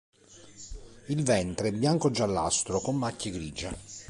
Il ventre è bianco-giallastro con macchie grigie.